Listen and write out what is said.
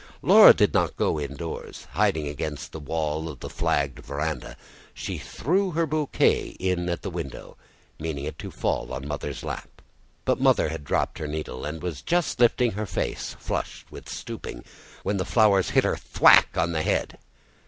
Laura did not go indoors; hiding against the wall of the flagged verandah, she threw her bouquet in at the window, meaning it to fall on Mother's lap. But Mother had dropped her needle, and was just lifting her face, flushed with stooping, when the flowers hit her a thwack on the head.